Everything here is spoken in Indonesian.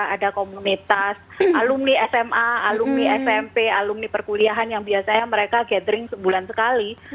ada komunitas alumni sma alumni smp alumni perkuliahan yang biasanya mereka gathering sebulan sekali